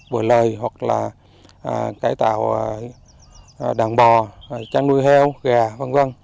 bồi lời hoặc là cải tạo đàn bò chăn nuôi heo gà v v